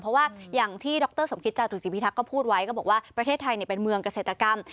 เพราะว่าอย่างที่ดรสมคิตจาตุศีพิทักษ์ก็พูดไว้ก็บอกว่าประเทศไทยเป็นเมืองเกษตรกรรม